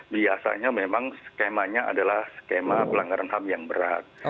biasanya memang skemanya adalah skema pelanggaran ham yang berat